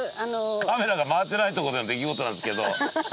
カメラが回ってないとこでの出来事なんですけど。